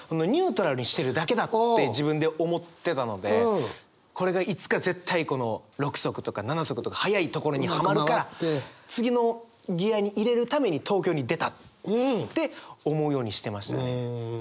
ニュートラルにしてるだけだって自分で思ってたのでこれがいつか絶対６速とか７速とか速いところにはまるから次のギアに入れるために東京に出たって思うようにしてましたね。